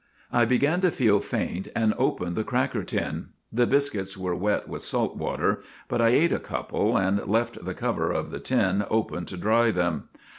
' I began to feel faint, and opened the cracker tin. The biscuits were wet with salt water, but I ate a couple, and left the cover of the tin open to dry them.